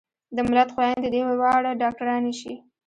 د ملت خويندې دې واړه ډاکترانې شي